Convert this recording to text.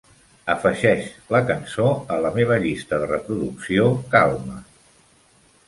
Afegeix la cançó a la meva llista de reproducció Calma.